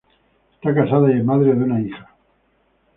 Está casada y es madre de una hija.